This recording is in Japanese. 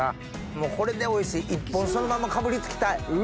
もうこれでおいしい１本そのままかぶり付きたい。